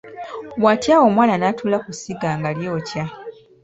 Watya omwana n’atuula ku sigga nga ly’okya?